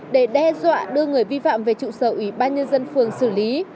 để đe dọa đưa người vi phạm về trụ sở ủy ban nhân dân phường xử lý